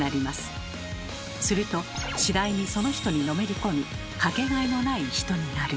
すると次第にその人にのめり込みかけがえのない人になる。